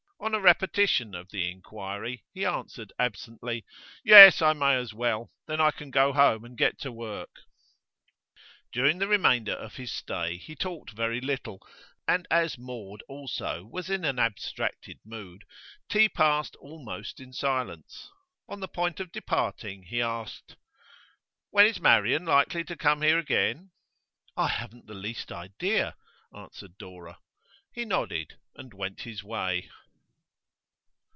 On a repetition of the inquiry, he answered absently: 'Yes, I may as well. Then I can go home and get to work.' During the remainder of his stay he talked very little, and as Maud also was in an abstracted mood, tea passed almost in silence. On the point of departing he asked: 'When is Marian likely to come here again?' 'I haven't the least idea,' answered Dora. He nodded, and went his way.